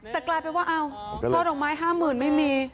แต่กลายเป็นว่าช่อดอกไม้๕๐๐๐ไม่มี